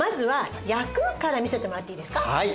はい。